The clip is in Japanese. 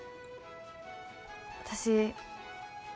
私